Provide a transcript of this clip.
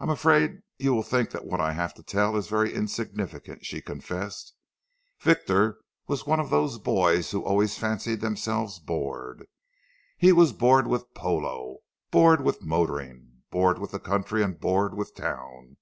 "I am afraid you will think that what I have to tell is very insignificant," she confessed. "Victor was one of those boys who always fancied themselves bored. He was bored with polo, bored with motoring, bored with the country and bored with town.